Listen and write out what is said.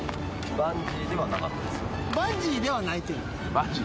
バンジーではないけど。